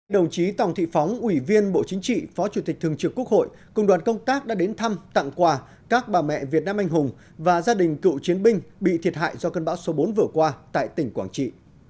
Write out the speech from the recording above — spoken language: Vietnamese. đồng chí tòng thị phóng ủy viên bộ chính trị phó chủ tịch thường trực quốc hội cùng đoàn công tác đã đến thăm tặng quà các bà mẹ việt nam anh hùng và gia đình cựu chiến binh bị thiệt hại do cơn bão số bốn vừa qua tại tỉnh quảng trị